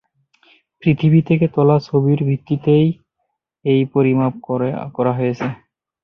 পৃথিবী থেকে তোলা ছবির ভিত্তিতে এই পরিমাপ করা হয়েছে।